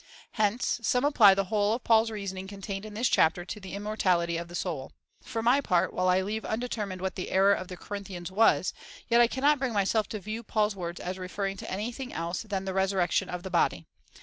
'' Hence some apply the whole of Paul's reasoning contained in this chapter to the immortality of the soul. For my part, while I leave undetermined what the error of the Corinthians was, yet I cannot bring myself to view Paul's words as referring to any thing else than the resurrection of the body.